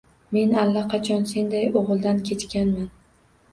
Men allaqachon senday o‘g‘ildan kechganman.